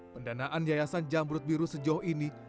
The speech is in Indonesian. pendanaan yayasan jamrut biru sejauh ini